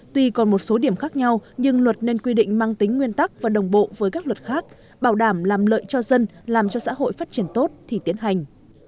tuy còn một số điểm khác nhau nhưng luật nên quy định mang tính nguyên tắc và đồng bộ với các luật khác bảo đảm làm lợi cho dân làm cho xã hội phát triển tốt thì tiến hành